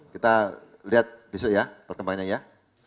kita lihat besok ya perkembangannya ya